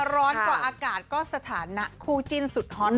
ร้อนกว่าอากาศก็สถานะคู่จิ้นสุดฮอต